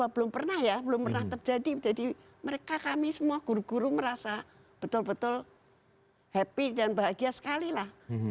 belum pernah ya belum pernah terjadi jadi mereka kami semua guru guru merasa betul betul happy dan bahagia sekali lah